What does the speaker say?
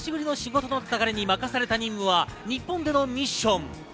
久しぶりの仕事だった彼に任された任務は日本でのミッション。